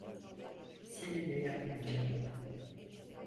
Seninle yatmayacağım.